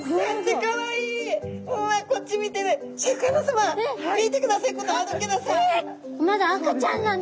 まだ赤ちゃんなんだ。